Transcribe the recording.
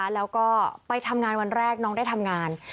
แล้วก็ไปทำงานวันแรกน้องได้ทำงาน